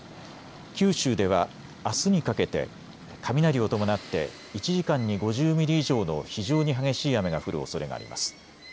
九州ではあすにかけて雷を伴って１時間に５０ミリ以上の非常に激しい雨が降るおそれがあります。